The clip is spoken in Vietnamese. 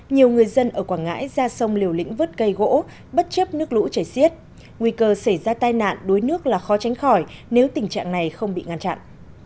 nhiều người dân ở quảng ngãi ra sông liều lĩnh vứt cây gỗ bất chấp nước lũ chảy xiết nguy cơ xảy ra tai nạn đuối nước là khó tránh khỏi nếu tình trạng này không bị ngăn chặn